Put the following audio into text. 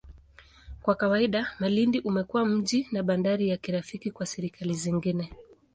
Kwa kawaida, Malindi umekuwa mji na bandari ya kirafiki kwa serikali zingine.